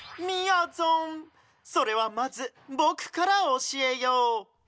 みやぞんそれはまずボクからおしえよう。